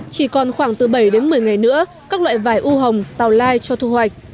chỉ còn khoảng từ bảy đến một mươi ngày nữa các loại vải u hồng tàu lai cho thu hoạch